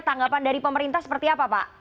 tanggapan dari pemerintah seperti apa pak